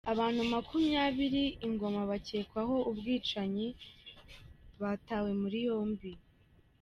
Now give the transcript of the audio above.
Abanu Makumyabiri Igoma bakekwaho ubwicanyi batawe muri yombi